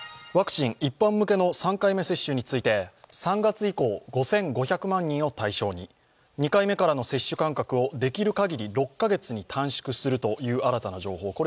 ワクチン一般向けの３回目接種について３月以降、５５００万人を対象に、２回目からの接種間隔をできるかぎり６カ月に短縮するという新たな情報。